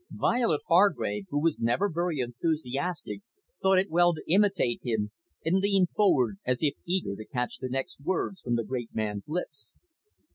Violet Hargrave, who was never very enthusiastic, thought it well to imitate him, and leaned forward as if eager to catch the next words from the great man's lips.